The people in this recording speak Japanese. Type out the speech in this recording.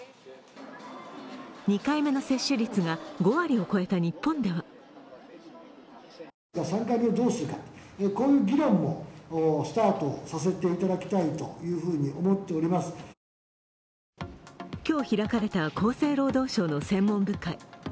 ２回目の接種率が５割を超えた日本では今日開かれた厚生労働省の専門部会。